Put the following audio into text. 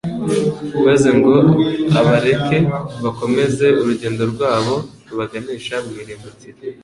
maze ngo abareke bakomeze urugendo rwabo rubaganisha mu irimbukiro.